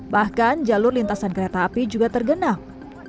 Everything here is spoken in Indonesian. bahkan jalur lintasan kereta api juga tergenang